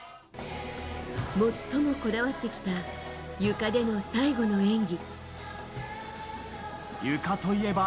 最もこだわってきたゆかでの最後の演技。